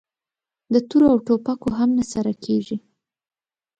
د تورو او ټوپکو هم نه سره کېږي!